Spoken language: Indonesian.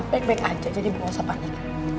baik baik aja jadi nggak usah panik